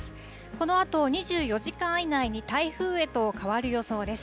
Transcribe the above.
このあと２４時間以内に台風へと変わる予想です。